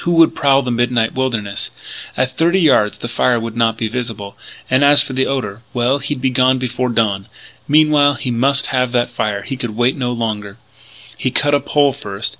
Who would prowl the midnight wilderness? At thirty yards the fire would not be visible. And, as for the odour well, he'd be gone before dawn.... Meanwhile, he must have that fire. He could wait no longer. He cut a pole first.